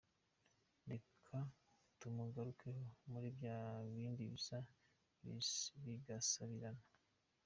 Reka tumugarukeho muri bya bindi bisa bigasabirana.